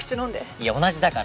いや同じだから。